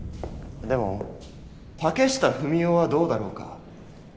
でも竹下文雄はどうだろうか。